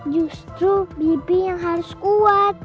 justru bibi yang harus kuat